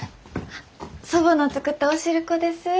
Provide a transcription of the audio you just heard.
祖母の作ったお汁粉です。